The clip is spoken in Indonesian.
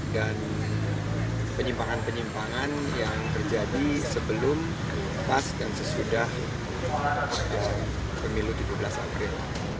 dan penyimpangan penyimpangan yang terjadi sebelum pas dan sesudah pemilu tujuh belas april